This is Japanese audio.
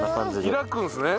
開くんですね？